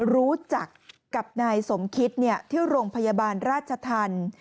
รู้จักกับนายสมคิตที่โรงพยาบาลราชธรรม